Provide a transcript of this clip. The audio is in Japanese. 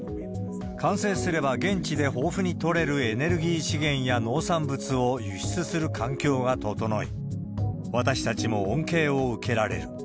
完成すれば、現地で豊富に取れるエネルギー資源や農産物を輸出する環境が整い、私たちも恩恵を受けられる。